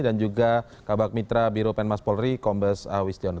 dan juga kabak mitra biro penmas polri kombes wisdioner